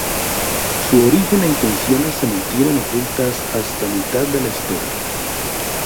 Su origen e intenciones se mantienen ocultas hasta mitad de la historia.